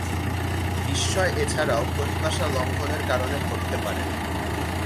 বিস্ময় এছাড়াও প্রত্যাশা লঙ্ঘনের কারণে ঘটতে পারে।